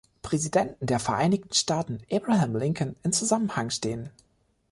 Präsidenten der Vereinigten Staaten, Abraham Lincoln, in Zusammenhang stehen.